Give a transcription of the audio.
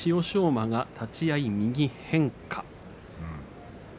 馬が立ち合い右変化。